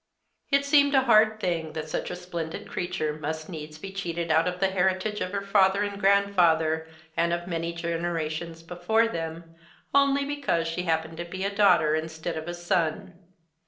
It seemed a hard thing that such a splendid creature must needs be cheated out of the heritage of her father and grandfather, and of many generations before them, only because she happened to be a daughter instead of a son.